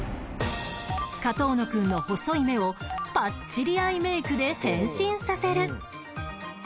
上遠野くんの細い目をパッチリアイメイクで変身させる